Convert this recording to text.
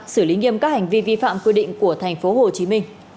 xử lý nghiêm các hành vi vi phạm quy định của tp hcm